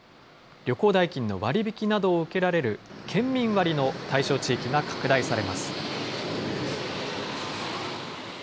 旅行代金の割引などを受けられる県民割の対象地域が拡大されます。